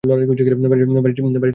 বাড়িটা বেচে দেবে?